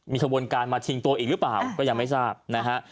มีขบวนการมาชิงตัวอีกหรือเปล่าก็ยังไม่ทราบนะฮะ